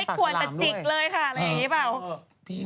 พี่หวดไหม